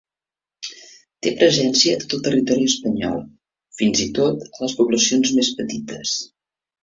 Té presència a tot el territori espanyol, fins i tot a les poblacions més petites.